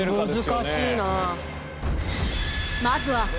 難しいな。